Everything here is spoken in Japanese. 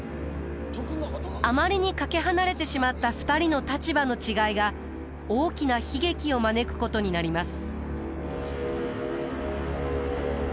あまりにかけ離れてしまった２人の立場の違いが大きな悲劇を招くことになります。